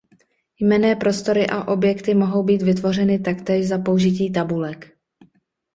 Jmenné prostory a objekty mohou být vytvořeny taktéž za použití tabulek.